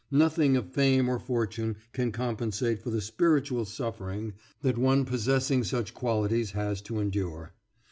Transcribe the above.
Nothing of fame or fortune can compensate for the spiritual suffering that one possessing such qualities has to endure.